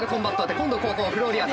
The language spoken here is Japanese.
今度後攻フローリアーズ。